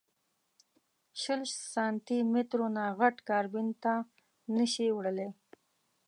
شل سانتي مترو نه غټ کابین ته نه شې وړلی.